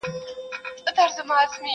o د کوثر له حوضه ډکه پیمانه يې,